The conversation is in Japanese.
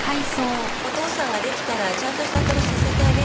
お父さんが出来たらちゃんとした暮らしさせてあげる。